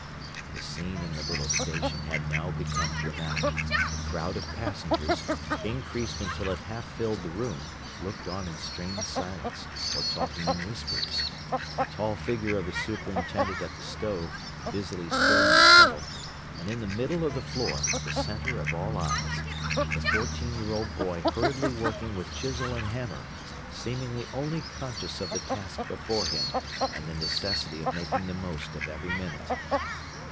The scene in the little station had now become dramatic the crowd of passengers, increased until it half filled the room, looking on in strained silence, or talking in whispers; the tall figure of the superintendent at the stove, busily stirring the kettle, and in the middle of the floor, the center of all eyes, the fourteen year old boy hurriedly working with chisel and hammer, seemingly only conscious of the task before him and the necessity of making the most of every minute.